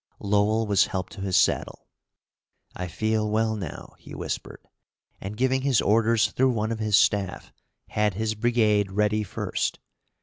Lowell was helped to his saddle. "I feel well now," he whispered, and, giving his orders through one of his staff, had his brigade ready first.